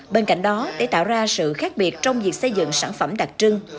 bên cạnh đó để tạo ra sự khác biệt trong việc xây dựng sản phẩm đặc trưng